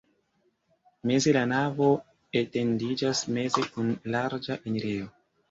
Meze la navo etendiĝas meze kun larĝa enirejo.